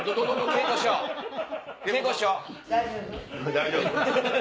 大丈夫？